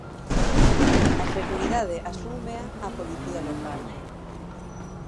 A seguridade asúmea a policía local.